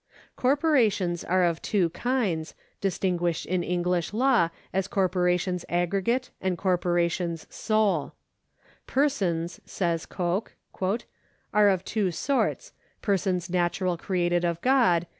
Corporations are of two kinds, distinguished in English law as corporations aggregate and corporations sole, " Persons," says Coke,^ " are of two sorts, persons natural created of God